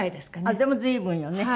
あっでも随分よね。